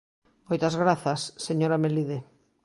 Moitas grazas, señora Melide.